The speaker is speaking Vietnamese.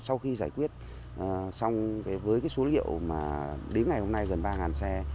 sau khi giải quyết xong với số liệu đến ngày hôm nay gần ba hàn xe